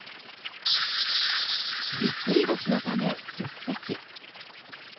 ぎっくり腰のため、欠席。